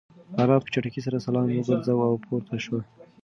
انا په چټکۍ سره سلام وگرځاوه او پورته شوه.